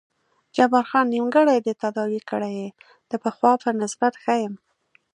جبار خان: نیمګړی دې تداوي کړی یې، د پخوا په نسبت ښه یم.